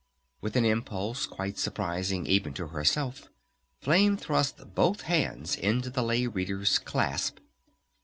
With an impulse quite surprising even to herself Flame thrust both hands into the Lay Reader's clasp.